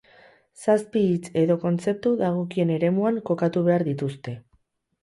Zazpi hitz edo kontzeptu dagokien eremuan kokatu behar dituzte.